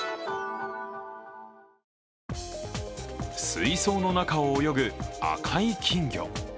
水槽の中を泳ぐ赤い金魚。